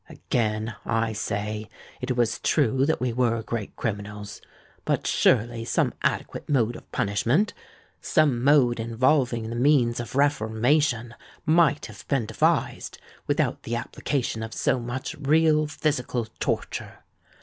Again I say, it was true that we were great criminals; but surely some adequate mode of punishment—some mode involving the means of reformation—might have been devised, without the application of so much real physical torture!